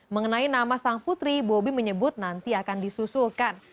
mengenai nama sang putri bobi menyebut nanti akan disusulkan